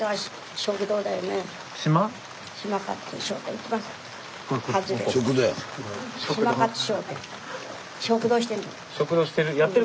食堂してる。